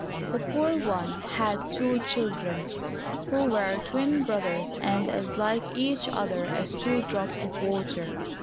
The poor one had two children, who were twin brothers and as like each other as two drops of water.